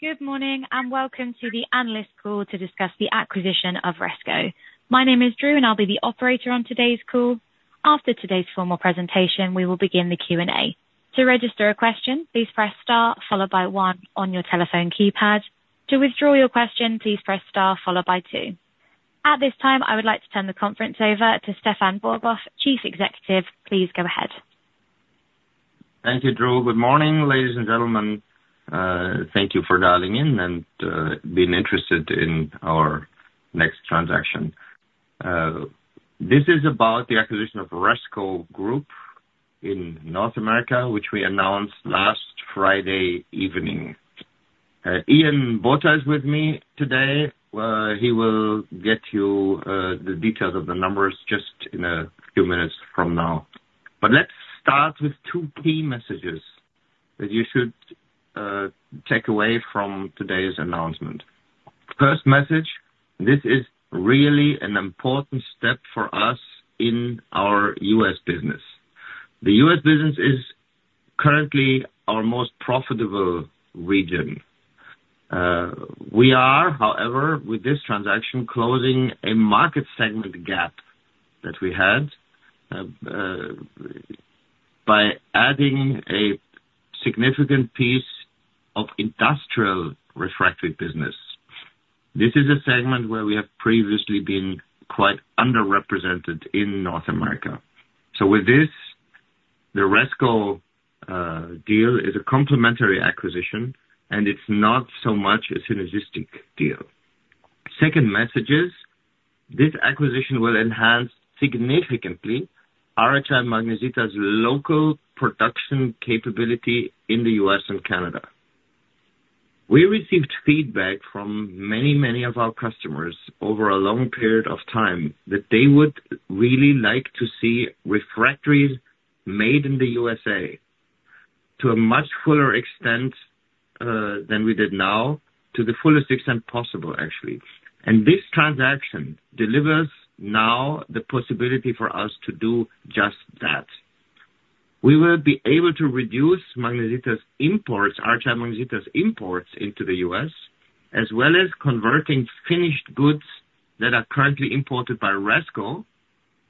Good morning and welcome to the Analyst Call to discuss the acquisition of Resco. My name is Drew and I'll be the operator on today's call. After today's formal presentation, we will begin the Q&A. To register a question, please press star followed by 1 on your telephone keypad. To withdraw your question, please press star followed by 2. At this time, I would like to turn the conference over to Stefan Borgas, Chief Executive. Please go ahead. Thank you, Drew. Good morning, ladies and gentlemen. Thank you for dialing in and being interested in our next transaction. This is about the acquisition of Resco Group in North America, which we announced last Friday evening. Ian Botha is with me today. He will get you the details of the numbers just in a few minutes from now. Let's start with two key messages that you should take away from today's announcement. First message, this is really an important step for us in our U.S. business. The U.S. business is currently our most profitable region. We are, however, with this transaction, closing a market segment gap that we had by adding a significant piece of industrial refractory business. This is a segment where we have previously been quite underrepresented in North America. So with this, the Resco deal is a complementary acquisition, and it's not so much a synergistic deal. Secondly, this acquisition will enhance significantly RHI Magnesita's local production capability in the US and Canada. We received feedback from many, many of our customers over a long period of time that they would really like to see refractories made in the USA to a much fuller extent than we did now, to the fullest extent possible, actually. And this transaction delivers now the possibility for us to do just that. We will be able to reduce RHI Magnesita's imports into the US, as well as converting finished goods that are currently imported by Resco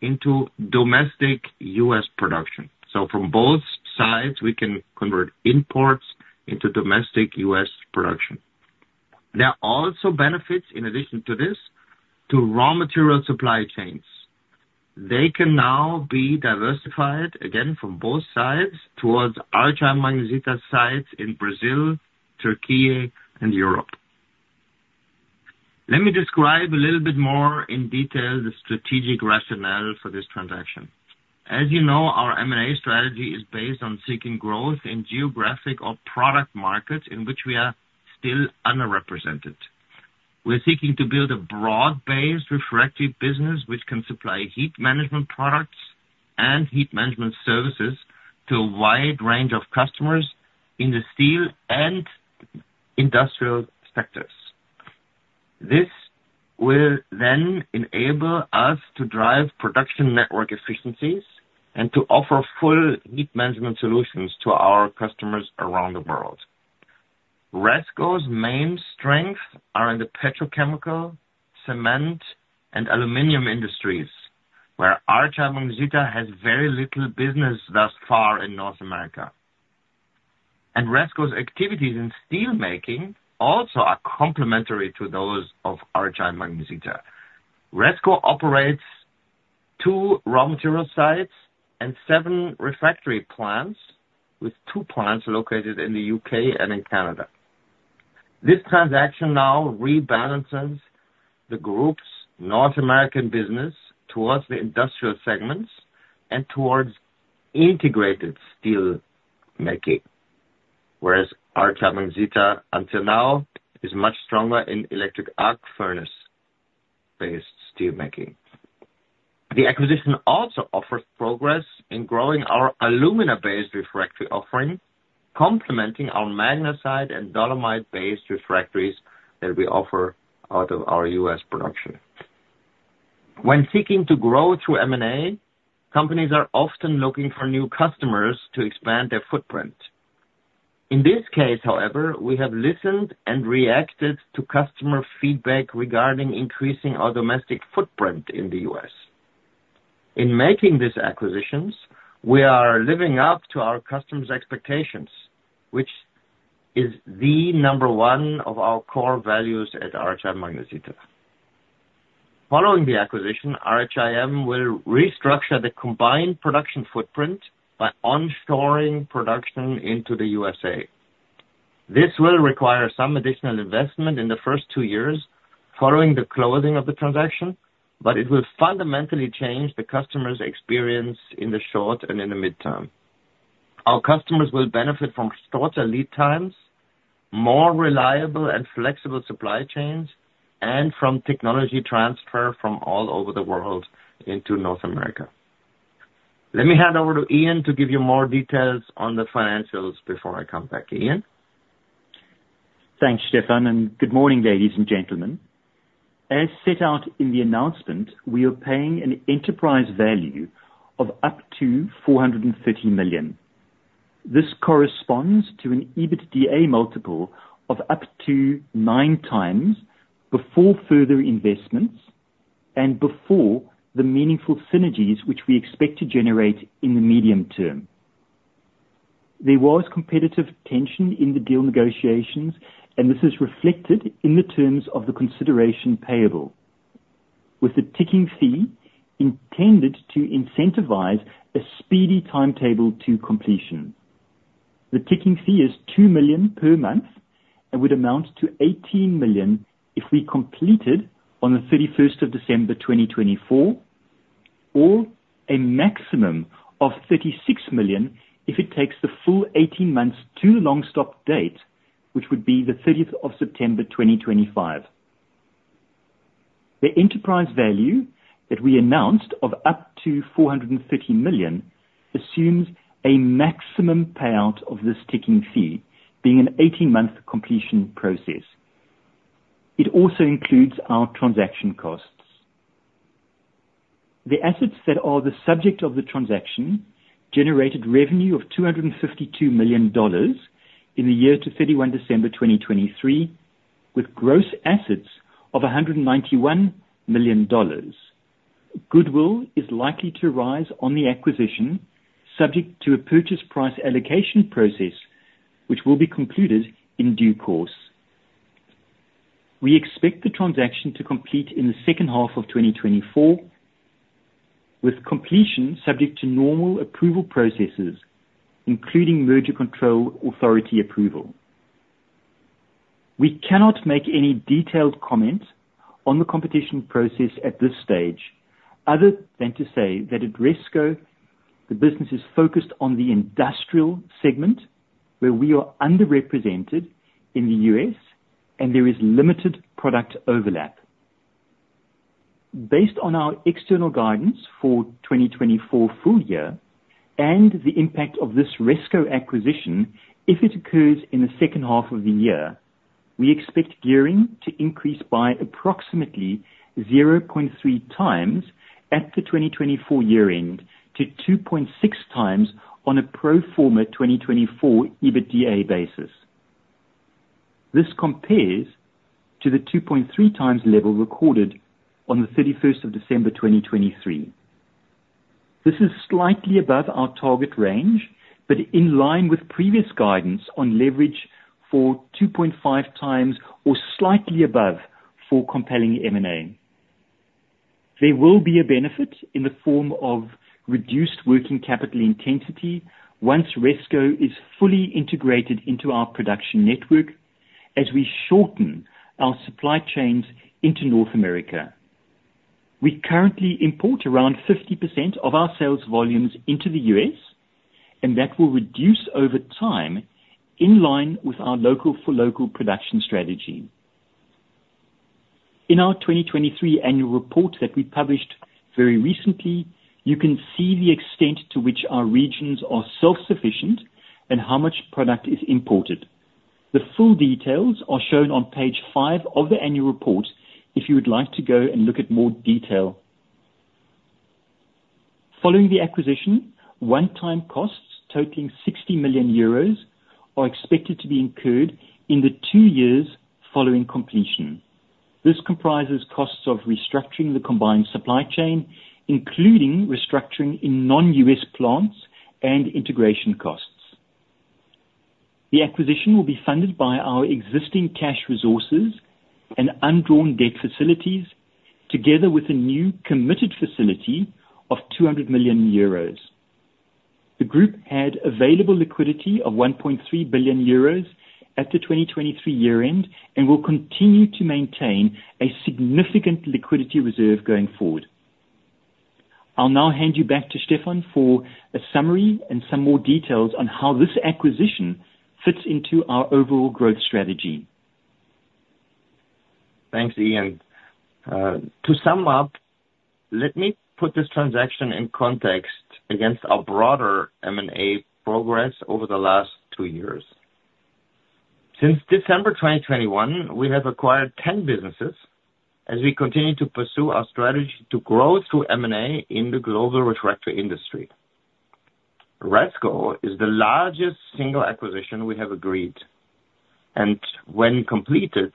into domestic US production. So from both sides, we can convert imports into domestic US production. There are also benefits, in addition to this, to raw material supply chains. They can now be diversified, again, from both sides towards RHI Magnesita sites in Brazil, Türkiye, and Europe. Let me describe a little bit more in detail the strategic rationale for this transaction. As you know, our M&A strategy is based on seeking growth in geographic or product markets in which we are still underrepresented. We're seeking to build a broad-based refractory business which can supply heat management products and heat management services to a wide range of customers in the steel and industrial sectors. This will then enable us to drive production network efficiencies and to offer full heat management solutions to our customers around the world. Resco's main strengths are in the petrochemical, cement, and aluminum industries, where RHI Magnesita has very little business thus far in North America. Resco's activities in steelmaking also are complementary to those of RHI Magnesita. Resco operates two raw material sites and seven refractory plants, with two plants located in the U.K. and in Canada. This transaction now rebalances the group's North American business towards the industrial segments and towards integrated steelmaking, whereas RHI Magnesita, until now, is much stronger in electric arc furnace-based steelmaking. The acquisition also offers progress in growing our alumina-based refractory offering, complementing our magnesite and dolomite-based refractories that we offer out of our U.S. production. When seeking to grow through M&A, companies are often looking for new customers to expand their footprint. In this case, however, we have listened and reacted to customer feedback regarding increasing our domestic footprint in the U.S. In making these acquisitions, we are living up to our customers' expectations, which is the number one of our core values at RHI Magnesita. Following the acquisition, RHIM will restructure the combined production footprint by onshoring production into the USA. This will require some additional investment in the first two years following the closing of the transaction, but it will fundamentally change the customer's experience in the short and in the midterm. Our customers will benefit from shorter lead times, more reliable and flexible supply chains, and from technology transfer from all over the world into North America. Let me hand over to Ian to give you more details on the financials before I come back. Ian? Thanks, Stefan. Good morning, ladies and gentlemen. As set out in the announcement, we are paying an enterprise value of up to $430 million. This corresponds to an EBITDA multiple of up to 9x before further investments and before the meaningful synergies which we expect to generate in the medium term. There was competitive tension in the deal negotiations, and this is reflected in the terms of the consideration payable, with the ticking fee intended to incentivize a speedy timetable to completion. The ticking fee is $2 million per month and would amount to $18 million if we completed on the 31st of December, 2024, or a maximum of $36 million if it takes the full 18 months to the long-stop date, which would be the 30th of September, 2025. The enterprise value that we announced of up to $430 million assumes a maximum payout of this ticking fee, being an 18-month completion process. It also includes our transaction costs. The assets that are the subject of the transaction generated revenue of $252 million in the year to 31 December 2023, with gross assets of $191 million. Goodwill is likely to arise on the acquisition, subject to a purchase price allocation process which will be concluded in due course. We expect the transaction to complete in the second half of 2024, with completion subject to normal approval processes, including merger control authority approval. We cannot make any detailed comment on the competition process at this stage, other than to say that at Resco, the business is focused on the industrial segment where we are underrepresented in the U.S. and there is limited product overlap. Based on our external guidance for 2024 full year and the impact of this Resco acquisition if it occurs in the second half of the year, we expect gearing to increase by approximately 0.3 times at the 2024 year-end to 2.6 times on a pro forma 2024 EBITDA basis. This compares to the 2.3 times level recorded on the 31st of December, 2023. This is slightly above our target range but in line with previous guidance on leverage for 2.5 times or slightly above for compelling M&A. There will be a benefit in the form of reduced working capital intensity once Resco is fully integrated into our production network as we shorten our supply chains into North America. We currently import around 50% of our sales volumes into the US, and that will reduce over time in line with our local-for-local production strategy. In our 2023 annual report that we published very recently, you can see the extent to which our regions are self-sufficient and how much product is imported. The full details are shown on page 5 of the annual report if you would like to go and look at more detail. Following the acquisition, one-time costs totaling 60 million euros are expected to be incurred in the two years following completion. This comprises costs of restructuring the combined supply chain, including restructuring in non-U.S. plants, and integration costs. The acquisition will be funded by our existing cash resources and undrawn debt facilities, together with a new committed facility of 200 million euros. The group had available liquidity of 1.3 billion euros at the 2023 year-end and will continue to maintain a significant liquidity reserve going forward. I'll now hand you back to Stefan for a summary and some more details on how this acquisition fits into our overall growth strategy. Thanks, Ian. To sum up, let me put this transaction in context against our broader M&A progress over the last two years. Since December 2021, we have acquired 10 businesses as we continue to pursue our strategy to grow through M&A in the global refractory industry. Resco is the largest single acquisition we have agreed, and when completed,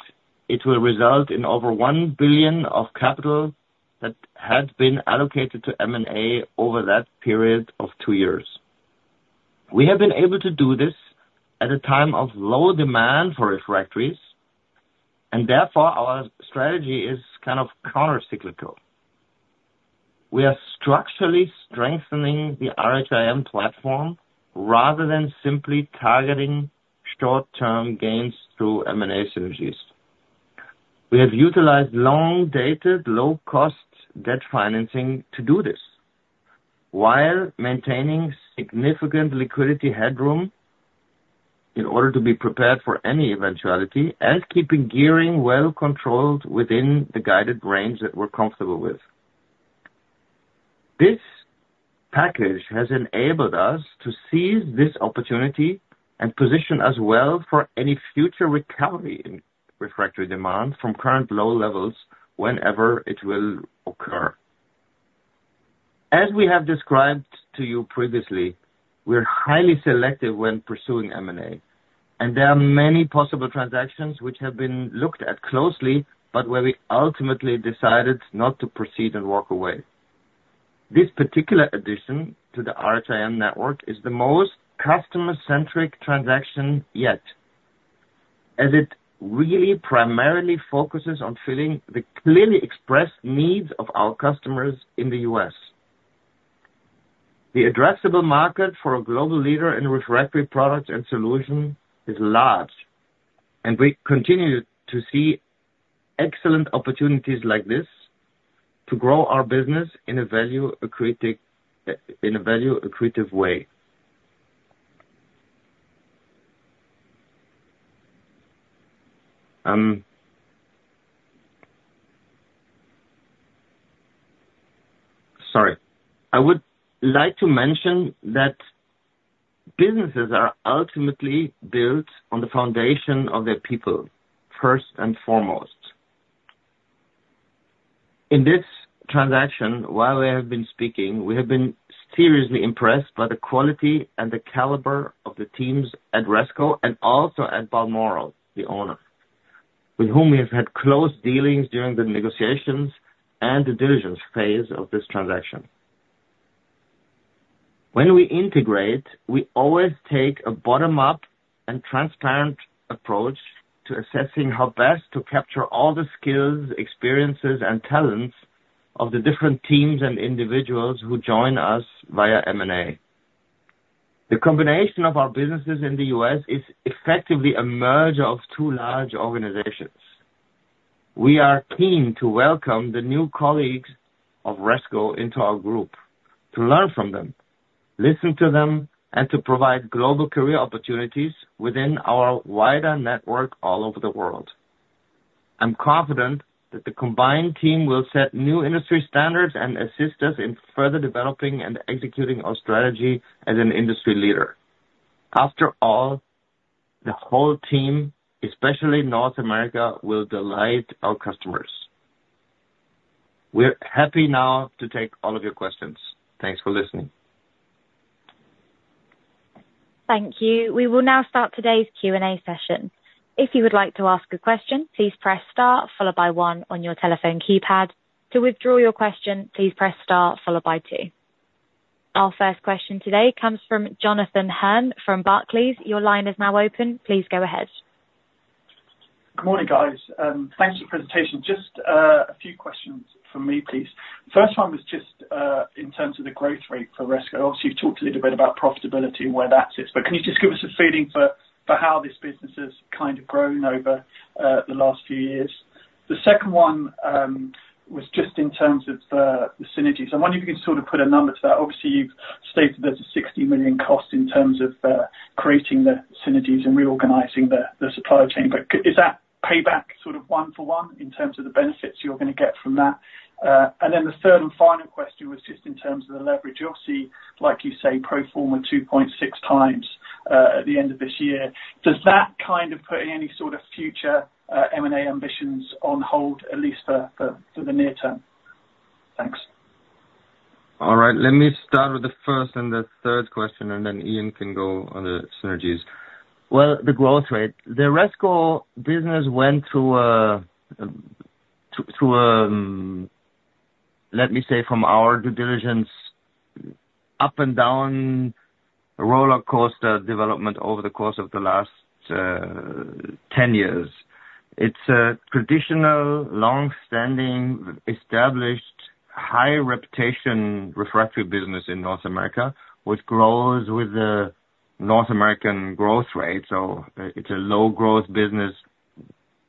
it will result in over 1 billion of capital that had been allocated to M&A over that period of two years. We have been able to do this at a time of low demand for refractories, and therefore our strategy is kind of countercyclical. We are structurally strengthening the RHIM platform rather than simply targeting short-term gains through M&A synergies. We have utilized long-dated, low-cost debt financing to do this while maintaining significant liquidity headroom in order to be prepared for any eventuality and keeping gearing well controlled within the guided range that we're comfortable with. This package has enabled us to seize this opportunity and position us well for any future recovery in refractory demand from current low levels whenever it will occur. As we have described to you previously, we're highly selective when pursuing M&A, and there are many possible transactions which have been looked at closely but where we ultimately decided not to proceed and walk away. This particular addition to the RHIM network is the most customer-centric transaction yet, as it really primarily focuses on filling the clearly expressed needs of our customers in the U.S. The addressable market for a global leader in refractory products and solutions is large, and we continue to see excellent opportunities like this to grow our business in a value-accretive way. Sorry. I would like to mention that businesses are ultimately built on the foundation of their people, first and foremost. In this transaction, while we have been speaking, we have been seriously impressed by the quality and the caliber of the teams at Resco and also at Balmoral, the owner, with whom we have had close dealings during the negotiations and the diligence phase of this transaction. When we integrate, we always take a bottom-up and transparent approach to assessing how best to capture all the skills, experiences, and talents of the different teams and individuals who join us via M&A. The combination of our businesses in the U.S. is effectively a merger of two large organizations. We are keen to welcome the new colleagues of Resco into our group, to learn from them, listen to them, and to provide global career opportunities within our wider network all over the world. I'm confident that the combined team will set new industry standards and assist us in further developing and executing our strategy as an industry leader. After all, the whole team, especially North America, will delight our customers. We're happy now to take all of your questions. Thanks for listening. Thank you. We will now start today's Q&A session. If you would like to ask a question, please press star followed by 1 on your telephone keypad. To withdraw your question, please press star followed by 2. Our first question today comes from Jonathan Hearn from Barclays. Your line is now open. Please go ahead. Good morning, guys. Thanks for the presentation. Just a few questions from me, please. The first one was just in terms of the growth rate for Resco. Obviously, you've talked a little bit about profitability and where that sits, but can you just give us a feeling for how this business has kind of grown over the last few years? The second one was just in terms of the synergies. I wonder if you can sort of put a number to that. Obviously, you've stated there's a 60 million cost in terms of creating the synergies and reorganizing the supply chain, but is that payback sort of one-for-one in terms of the benefits you're going to get from that? And then the third and final question was just in terms of the leverage. You'll see, like you say, pro forma 2.6 times at the end of this year. Does that kind of put any sort of future M&A ambitions on hold, at least for the near term? Thanks. All right. Let me start with the first and the third question, and then Ian can go on the synergies. Well, the growth rate. The Resco business went through a, let me say, from our due diligence up-and-down rollercoaster development over the course of the last 10 years. It's a traditional, long-standing, established, high-reputation refractory business in North America which grows with the North American growth rate. So it's a low-growth business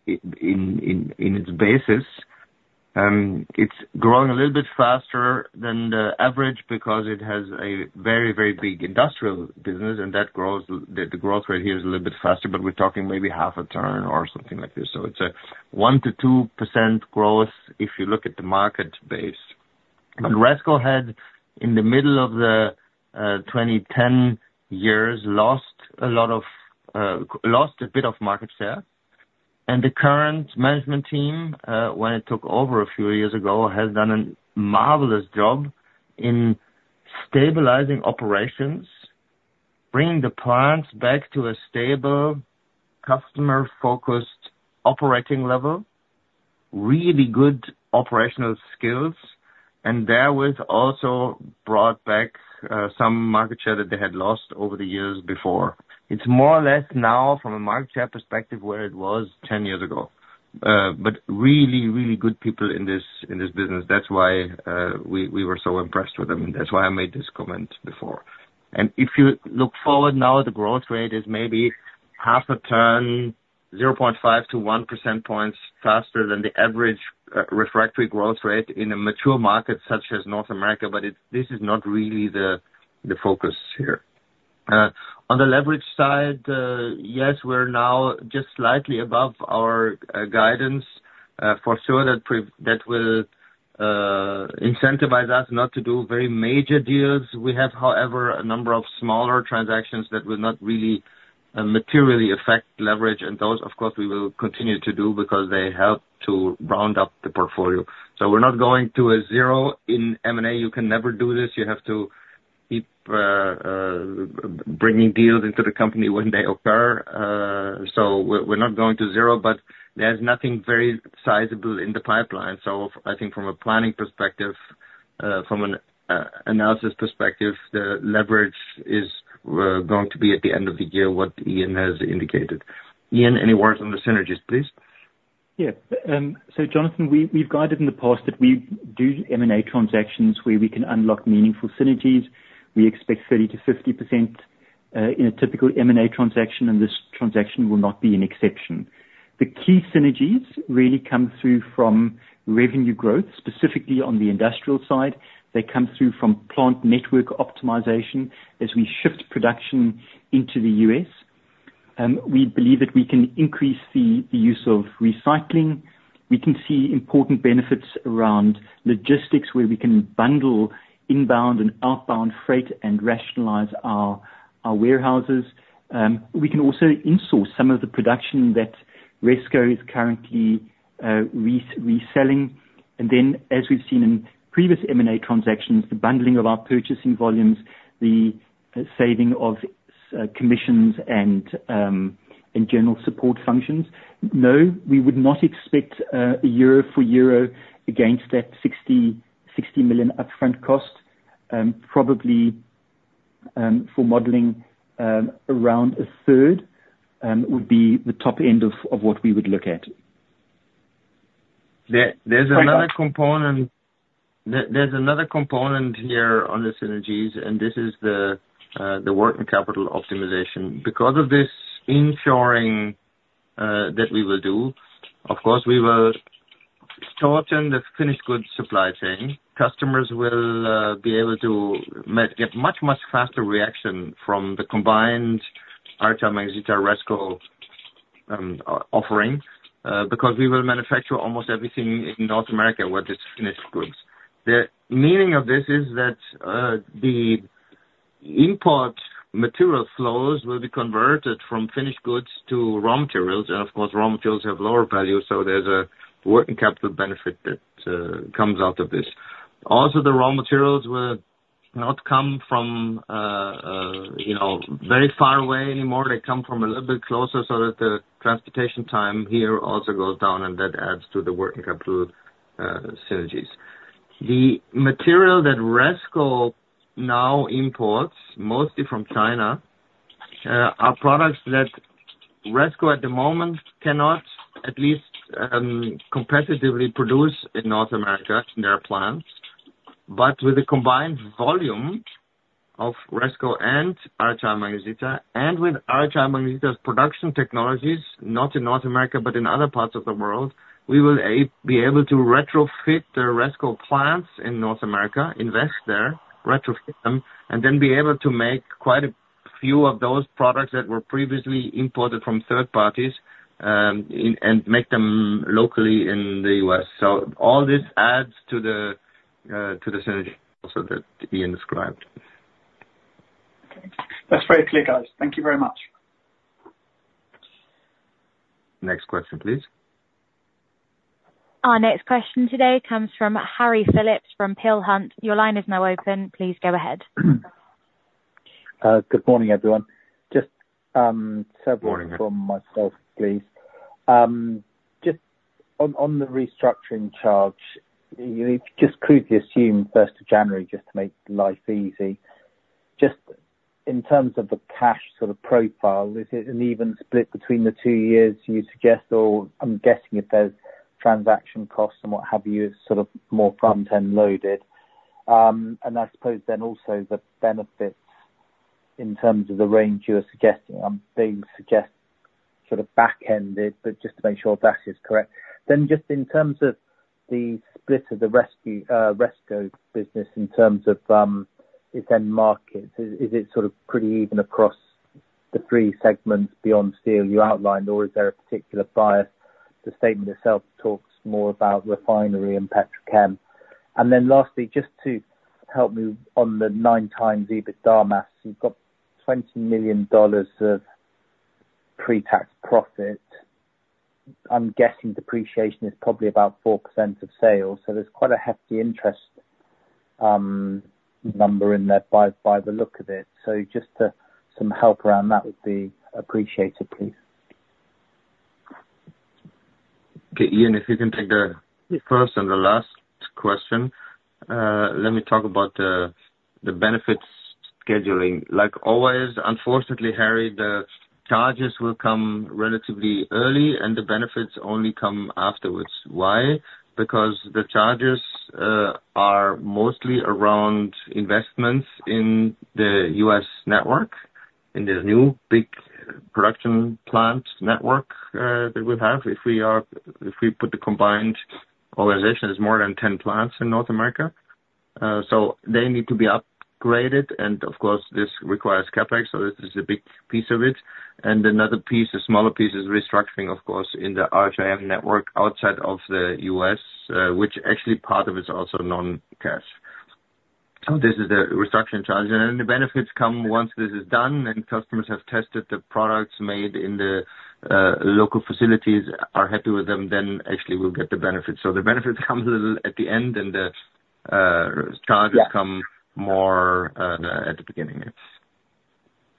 in its basis. It's growing a little bit faster than the average because it has a very, very big industrial business, and the growth rate here is a little bit faster, but we're talking maybe half a turn or something like this. So it's a 1%-2% growth if you look at the market base. But Resco had, in the middle of the 2010 years, lost a bit of market share. The current management team, when it took over a few years ago, has done a marvelous job in stabilizing operations, bringing the plants back to a stable, customer-focused operating level, really good operational skills, and therewith also brought back some market share that they had lost over the years before. It's more or less now from a market share perspective where it was 10 years ago, but really, really good people in this business. That's why we were so impressed with them, and that's why I made this comment before. If you look forward now, the growth rate is maybe half a turn, 0.5-1 percentage points faster than the average refractory growth rate in a mature market such as North America, but this is not really the focus here. On the leverage side, yes, we're now just slightly above our guidance for sure, that will incentivize us not to do very major deals. We have, however, a number of smaller transactions that will not really materially affect leverage, and those, of course, we will continue to do because they help to round up the portfolio. So we're not going to a zero in M&A. You can never do this. You have to keep bringing deals into the company when they occur. So we're not going to zero, but there's nothing very sizable in the pipeline. So I think from a planning perspective, from an analysis perspective, the leverage is going to be at the end of the year, what Ian has indicated. Ian, any words on the synergies, please? Yeah. So Jonathan, we've guided in the past that we do M&A transactions where we can unlock meaningful synergies. We expect 30%-50% in a typical M&A transaction, and this transaction will not be an exception. The key synergies really come through from revenue growth, specifically on the industrial side. They come through from plant network optimization as we shift production into the US. We believe that we can increase the use of recycling. We can see important benefits around logistics where we can bundle inbound and outbound freight and rationalize our warehouses. We can also insource some of the production that Resco is currently reselling. And then, as we've seen in previous M&A transactions, the bundling of our purchasing volumes, the saving of commissions and general support functions. No, we would not expect a euro-for-euro against that 60 million upfront cost. Probably for modeling, around a third would be the top end of what we would look at. There's another component here on the synergies, and this is the working capital optimization. Because of this ensuring that we will do, of course, we will shorten the finished goods supply chain. Customers will be able to get much, much faster reaction from the combined RHI Magnesita Resco offering because we will manufacture almost everything in North America with these finished goods. The meaning of this is that the import material flows will be converted from finished goods to raw materials, and of course, raw materials have lower value, so there's a working capital benefit that comes out of this. Also, the raw materials will not come from very far away anymore. They come from a little bit closer so that the transportation time here also goes down, and that adds to the working capital synergies. The material that Resco now imports, mostly from China, are products that Resco at the moment cannot, at least competitively, produce in North America in their plants. But with the combined volume of Resco and RHI Magnesita and with RHI Magnesita's production technologies, not in North America but in other parts of the world, we will be able to retrofit the Resco plants in North America, invest there, retrofit them, and then be able to make quite a few of those products that were previously imported from third parties and make them locally in the US. So all this adds to the synergies also that Ian described. That's very clear, guys. Thank you very much. Next question, please. Our next question today comes from Harry Phillips from Peel Hunt. Your line is now open. Please go ahead. Good morning, everyone. Just a few from myself, please. Just on the restructuring charge, you've just crudely assumed 1st of January just to make life easy. Just in terms of the cash sort of profile, is it an even split between the two years you suggest, or I'm guessing if there's transaction costs and what have you, it's sort of more front-end loaded? And I suppose then also the benefits in terms of the range you are suggesting. I'm guessing it's sort of back-ended, but just to make sure that is correct. Then just in terms of the split of the Resco business in terms of its end markets, is it sort of pretty even across the three segments beyond steel you outlined, or is there a particular bias? The statement itself talks more about refinery and petrochem. Then lastly, just to help me on the 9x EBITDA multiple, you've got $20 million of pre-tax profit. I'm guessing depreciation is probably about 4% of sales, so there's quite a hefty interest number in there by the look of it. Just some help around that would be appreciated, please. Ian, if you can take the first and the last question. Let me talk about the benefits scheduling. Like always, unfortunately, Harry, the charges will come relatively early, and the benefits only come afterwards. Why? Because the charges are mostly around investments in the U.S. network, in this new big production plant network that we'll have if we put the combined organization. There's more than 10 plants in North America, so they need to be upgraded. Of course, this requires CapEx, so this is a big piece of it. Another piece, a smaller piece, is restructuring, of course, in the RHIM network outside of the U.S., which actually part of it's also non-cash. So this is the restructuring charges. Then the benefits come once this is done, and customers have tested the products made in the local facilities, are happy with them, then actually we'll get the benefits. So the benefits come a little at the end, and the charges come more at the beginning.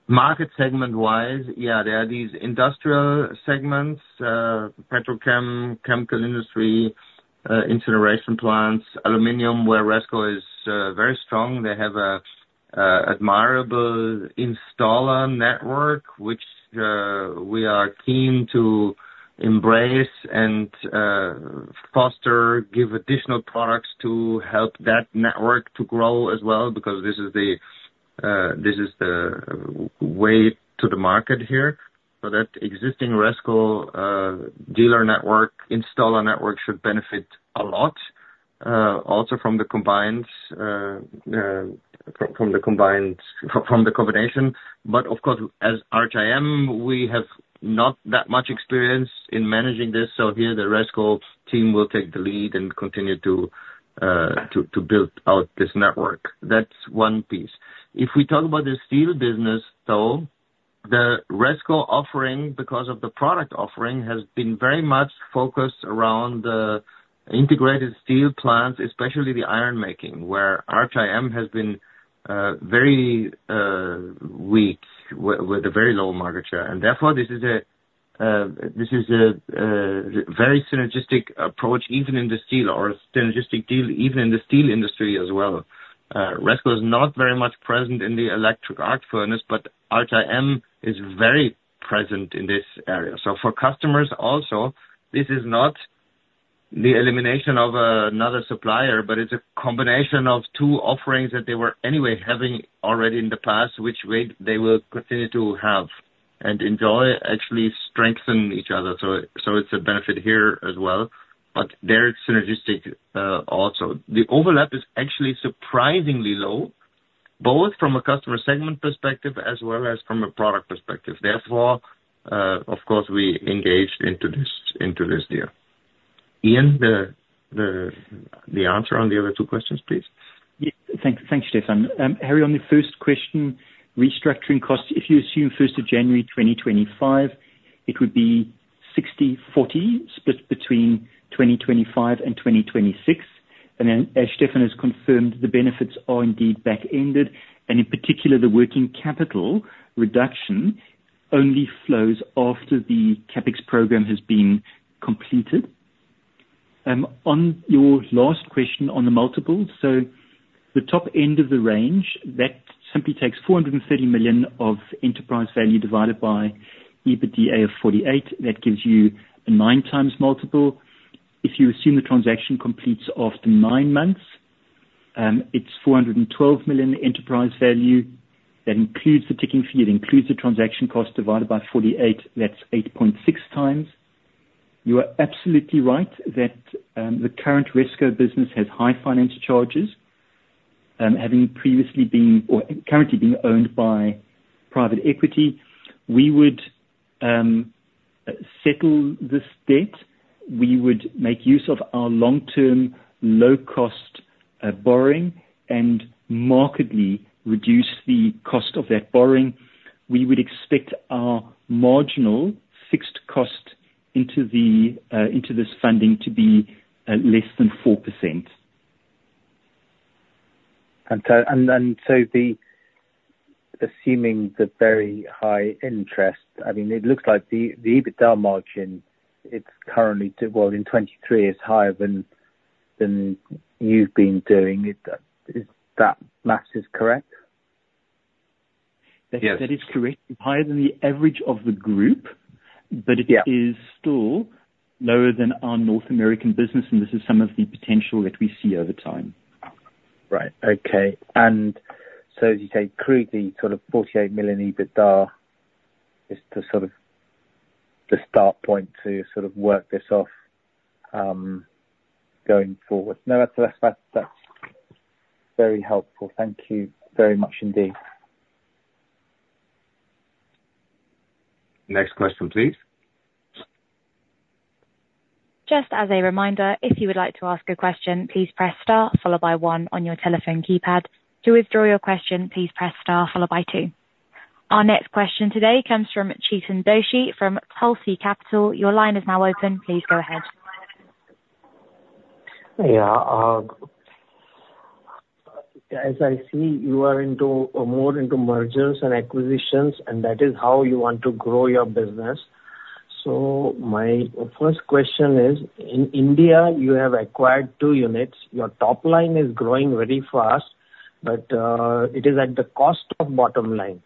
Market segment-wise, yeah, there are these industrial segments: petrochem, chemical industry, incineration plants, aluminum, where Resco is very strong. They have an admirable installer network, which we are keen to embrace and foster, give additional products to help that network to grow as well because this is the way to the market here. So that existing Resco dealer network, installer network should benefit a lot also from the combination. But of course, as RHIM, we have not that much experience in managing this, so here the Resco team will take the lead and continue to build out this network. That's one piece. If we talk about the steel business, though, the Resco offering, because of the product offering, has been very much focused around the integrated steel plants, especially the ironmaking, where RHIM has been very weak with a very low market share. And therefore, this is a very synergistic approach even in the steel or a synergistic deal even in the steel industry as well. Resco is not very much present in the electric arc furnace, but RHIM is very present in this area. So for customers also, this is not the elimination of another supplier, but it's a combination of two offerings that they were anyway having already in the past, which way they will continue to have and enjoy, actually strengthen each other. So it's a benefit here as well, but they're synergistic also. The overlap is actually surprisingly low, both from a customer segment perspective as well as from a product perspective. Therefore, of course, we engaged into this deal. Ian, the answer on the other two questions, please? Thanks, Stefan. Harry, on the first question, restructuring costs, if you assume 1st of January 2025, it would be 60/40 split between 2025 and 2026. And then as Stefan has confirmed, the benefits are indeed back-ended, and in particular, the working capital reduction only flows after the CapEx program has been completed. On your last question on the multiple, so the top end of the range, that simply takes $430 million of enterprise value divided by EBITDA of $48 million. That gives you a 9x multiple. If you assume the transaction completes after 9 months, it's $412 million enterprise value. That includes the ticking fee. It includes the transaction cost divided by $48 million. That's 8.6x. You are absolutely right that the current Resco business has high finance charges, having previously been or currently being owned by private equity. We would settle this debt. We would make use of our long-term, low-cost borrowing and markedly reduce the cost of that borrowing. We would expect our marginal fixed cost into this funding to be less than 4%. So assuming the very high interest, I mean, it looks like the EBITDA margin, it's currently well, in 2023, it's higher than you've been doing. That math is correct? That is correct. It's higher than the average of the group, but it is still lower than our North American business, and this is some of the potential that we see over time. Right. Okay. And so as you say, cruelly, sort of $48 million EBITDA is the sort of the start point to sort of work this off going forward. No, that's very helpful. Thank you very much indeed. Next question, please. Just as a reminder, if you would like to ask a question, please press star, followed by one on your telephone keypad. To withdraw your question, please press star, followed by two. Our next question today comes from Chetan Doshi from Tulsi Capital. Your line is now open. Please go ahead. Yeah. As I see, you are more into mergers and acquisitions, and that is how you want to grow your business. My first question is, in India, you have acquired two units. Your top line is growing very fast, but it is at the cost of bottom line.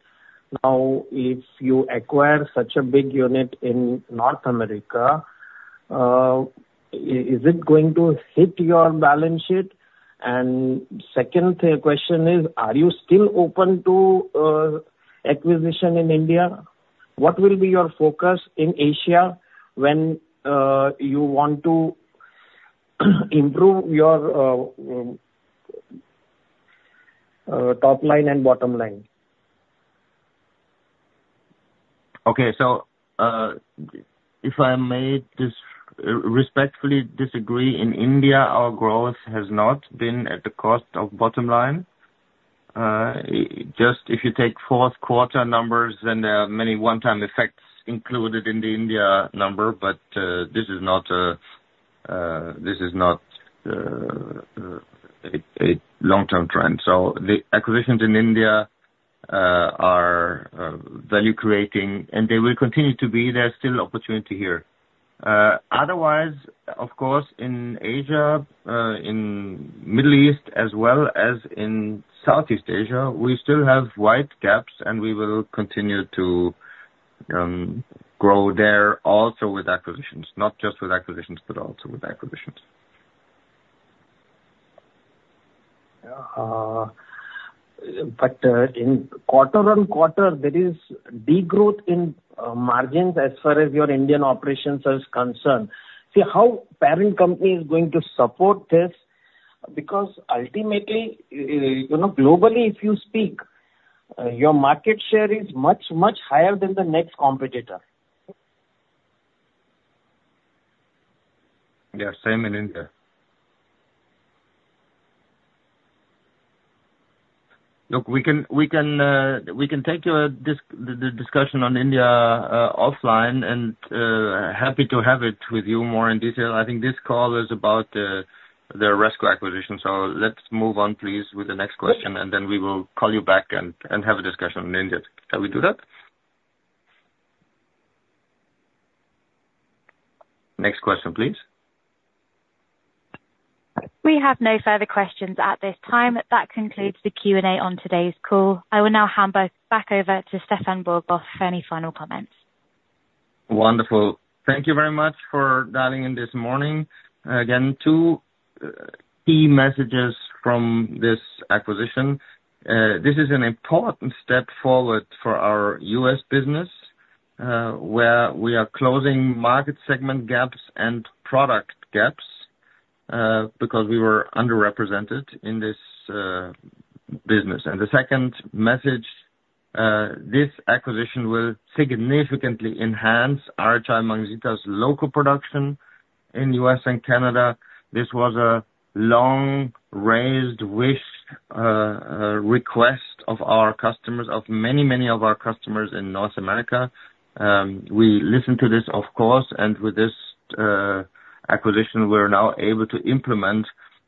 Now, if you acquire such a big unit in North America, is it going to hit your balance sheet? And second question is, are you still open to acquisition in India? What will be your focus in Asia when you want to improve your top line and bottom line? Okay. So if I may respectfully disagree, in India, our growth has not been at the cost of bottom line. Just if you take fourth quarter numbers, then there are many one-time effects included in the India number, but this is not a long-term trend. So the acquisitions in India are value-creating, and they will continue to be. There's still opportunity here. Otherwise, of course, in Asia, in the Middle East, as well as in Southeast Asia, we still have wide gaps, and we will continue to grow there also with acquisitions, not just with acquisitions, but also with acquisitions. But in quarter-on-quarter, there is degrowth in margins as far as your Indian operations are concerned. See, how parent company is going to support this? Because ultimately, globally, if you speak, your market share is much, much higher than the next competitor. Yeah. Same in India. Look, we can take the discussion on India offline and happy to have it with you more in detail. I think this call is about the Resco acquisition. So let's move on, please, with the next question, and then we will call you back and have a discussion in India. Shall we do that? Next question, please. We have no further questions at this time. That concludes the Q&A on today's call. I will now hand back over to Stefan Borgas for any final comments. Wonderful. Thank you very much for dialing in this morning. Again, two key messages from this acquisition. This is an important step forward for our U.S. business where we are closing market segment gaps and product gaps because we were underrepresented in this business. The second message, this acquisition will significantly enhance RHI Magnesita's local production in the U.S. and Canada. This was a long-raised wish request of our customers, of many, many of our customers in North America. We listened to this, of course, and with this acquisition, we're now able to implement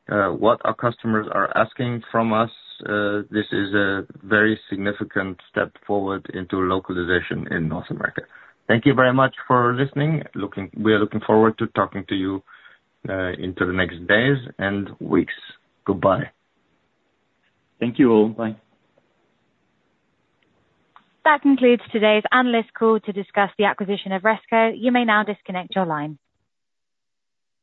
what our customers are asking from us. This is a very significant step forward into localization in North America. Thank you very much for listening. We are looking forward to talking to you into the next days and weeks. Goodbye. Thank you all. Bye. That concludes today's analyst call to discuss the acquisition of Resco. You may now disconnect your line.